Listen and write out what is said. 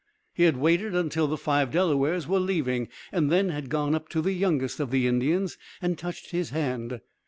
He had waited until the five Delawares were leaving, and then had gone up to the youngest of the Indians, and touched his hand.